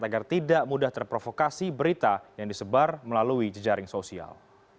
agar tidak mudah terprovokasi berita yang disebar melalui jejaring sosial